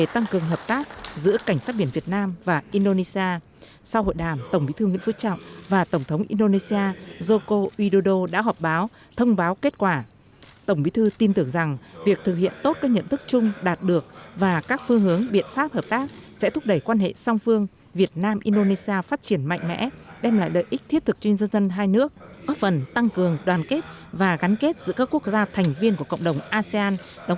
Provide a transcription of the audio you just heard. tại cuộc hội đàm tổng bí thương nguyễn phú trọng và tổng thống joko widodo khẳng định tầm quan trọng của việc duy trì hòa bình ổn định trong khu vực đảm bảo an ninh an toàn tự do hàng không ở biển đông